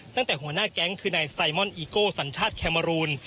ตั้งแต่หัวหน้าแก๊งคือนายไซมอนอีโก้สัญชาติแคมารูน